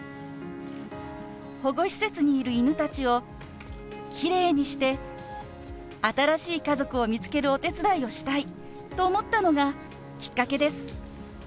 保護施設にいる犬たちをきれいにして新しい家族を見つけるお手伝いをしたいと思ったのがきっかけです。